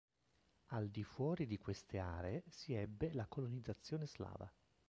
Al di fuori di queste aree si ebbe la colonizzazione slava.